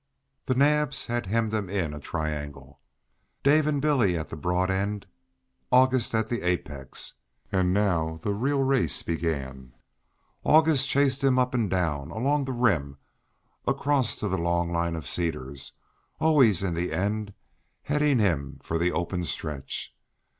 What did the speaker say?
The Naabs had hemmed him in a triangle, Dave and Billy at the broad end, August at the apex, and now the real race began. August chased him up and down, along the rim, across to the long line of cedars, always in the end heading him for the open stretch.